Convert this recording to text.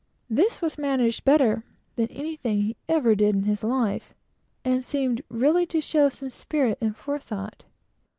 This was managed better than anything he ever did in his life, and seemed really to show some spirit and forethought.